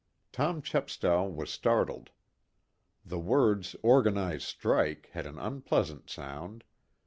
Tom Chepstow was startled. The words "organized strike" had an unpleasant sound.